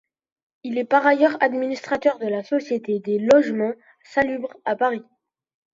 Il est par ailleurs administrateur de la Société des logements salubres à Paris.